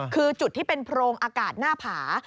คือจุดที่เป็นโพรงอากาศหน้าผา